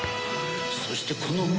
そしてこの目！